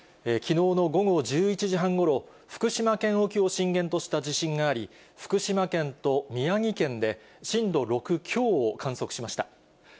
きのうの午後１１時半ごろ、福島県沖を震源とした地震があり、福島県と宮城県で震度６強を観測しました。